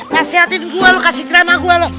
kasihatin gua lu kasih ceramah gua lu